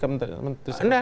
menteri sekretaris negara